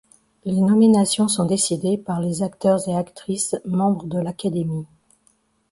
Les nominations sont décidées par les acteurs et actrices membres de l’académie.